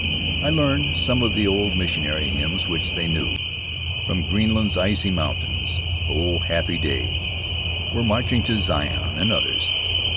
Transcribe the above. I learned some of the old missionary hymns which they knew: "From Greenland's Icy Mountains," "Oh, Happy Day," "We're Marching to Zion," and others.